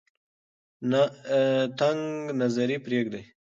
تنگ نظري پریږدئ.